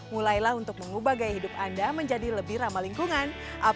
mulailah untuk mengubah gaya hidup anda menjadi lebih ramah lingkungan